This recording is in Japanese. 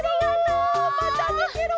またねケロ！